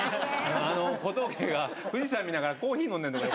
小峠が、富士山見ながらコーヒー飲んでるんだよ。